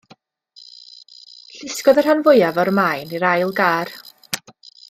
Llusgodd y rhan fwyaf o'r maen i'r ail gar.